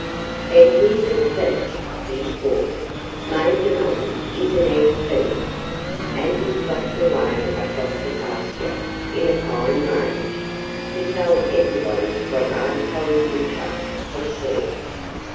"Then he's a thief!" he squawked. "Major Monkey is an egg thief!" And he flapped away across the pasture in a fine rage, to tell everybody what Aunt Polly Woodchuck had said.